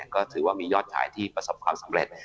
ก็ถือว่ามียอดขายที่ประสบความสำเร็จ